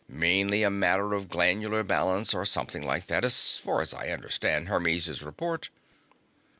Mainly a matter of glandular balance or something like that, as far as I understand Hermes' report."